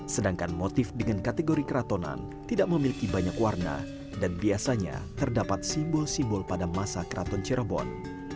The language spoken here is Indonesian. sedangkan motif dengan kategori keratonan tidak memiliki banyak warna dan biasanya terdapat simbol simbol pada masa keraton cirebon